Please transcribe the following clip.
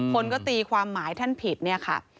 คนก็ตีความหมายท่านผิดเนี่ยค่ะ